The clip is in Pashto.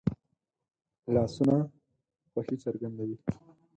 لاسونه خوښي څرګندوي